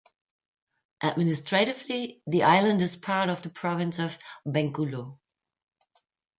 Administratively, the island is part of the province of Bengkulu.